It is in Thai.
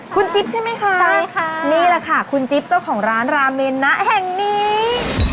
คุณจิ๊บใช่ไหมคะใช่ค่ะนี่แหละค่ะคุณจิ๊บเจ้าของร้านราเมนนะแห่งนี้